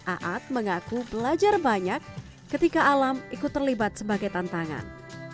aad mengaku belajar banyak ketika alam ikut terlibat sebagai tantangan